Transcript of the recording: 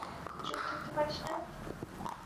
চুপ থাকতে পারিস না?